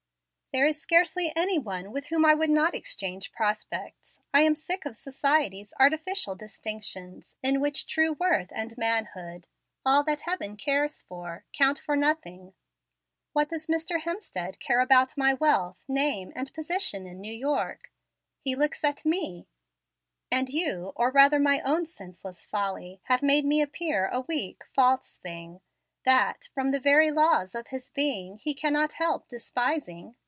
"There is scarcely any one with whom I would not exchange prospects. I am sick of society's artificial distinctions, in which true worth and manhood all that Heaven cares for count for nothing. What does Mr. Hemstead care about my wealth, name, and position in New York? He looks at me; and you, or, rather, my own senseless folly, have made me appear a weak, false thing, that, from the very laws of his being, he cannot help despising.